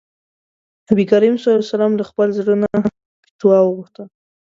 نبي کريم ص له خپل زړه نه فتوا وغوښته.